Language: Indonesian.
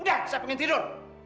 udah saya pengen tidur